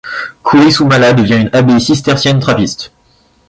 Kurisumala devient une ‘abbaye cistercienne-trappiste’.